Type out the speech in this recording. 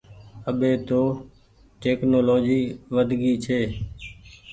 اٻي تو ٽيڪنولآجي ود گئي ڇي۔